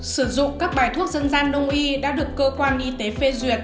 sử dụng các bài thuốc dân gian đông y đã được cơ quan y tế phê duyệt